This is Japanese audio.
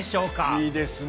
いいですね。